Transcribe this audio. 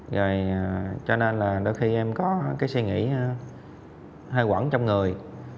rồi cho nên là đôi khi em có cái suy nghĩ hay quẩn trong người